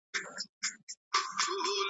زه به ژوندی یم بهار به راسي .